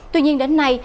tuy nhiên đến nay